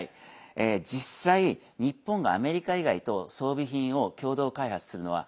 実際、日本がアメリカ以外と装備品を共同開発するのは